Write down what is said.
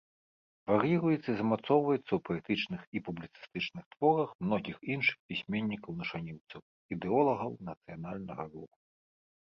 Вар'іруецца і замацоўваецца ў паэтычных і публіцыстычных творах многіх іншых пісьменнікаў-нашаніўцаў, ідэолагаў нацыянальнага руху.